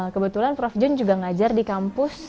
kebetulan prof john juga mengajar di kampus